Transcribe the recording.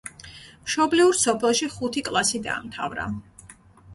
მშობლიურ სოფელში ხუთი კლასი დაამთავრა.